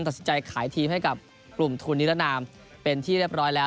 ตัดสินใจขายทีมให้กับกลุ่มทุนนิรนามเป็นที่เรียบร้อยแล้ว